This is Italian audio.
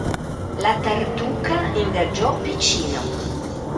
La Tartuca ingaggiò "Picino".